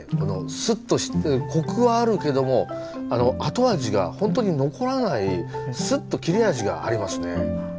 すっとしてコクはあるけども後味がホントに残らないすっとキレ味がありますね。